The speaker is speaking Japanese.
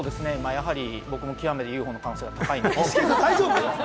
やはり僕も極めてＵＦＯの可能性が高いと思います。